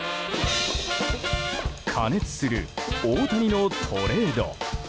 過熱する大谷のトレード。